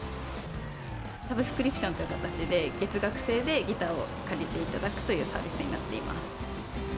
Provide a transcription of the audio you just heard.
サブスクリプションという形で、月額制でギターを借りていただくというサービスになっています。